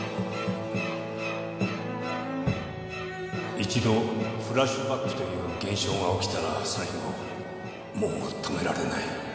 一度フラッシュバックという現象が起きたら最後もう止められない。